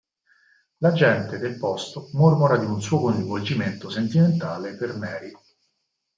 La gente del posto mormora di un suo coinvolgimento sentimentale per Mary.